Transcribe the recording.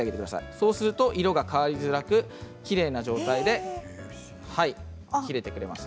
そうすると色が変わりづらくきれいな状態で切れてくれます。